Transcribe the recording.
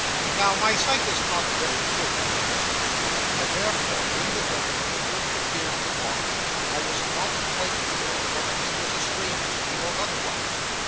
Now, my sight is not very good at a distance, and therefore when the gentleman first appeared in the walk, I was not quite clear whether he was a stranger to me or otherwise.